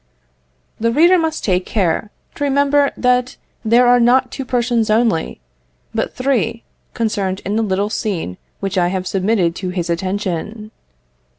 The reader must take care to remember that there are not two persons only, but three concerned in the little scene which I have submitted to his attention.